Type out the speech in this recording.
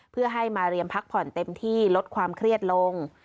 เพื่อให้มาเรียมพักผ่อนเต็มที่ลดความเครียดลง